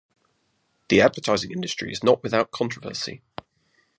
The advertising industry is not without controversy.